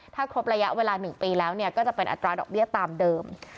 ถ้าครบระยะเวลา๑ปีแล้วก็จะเป็นอัตราดอกเบี้ยตามเดิม